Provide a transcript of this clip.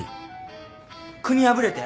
「国破れて」？